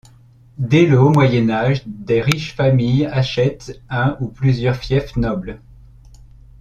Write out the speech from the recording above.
Dès le haut Moyen Âge, des familles riches achètent un ou plusieurs fiefs nobles.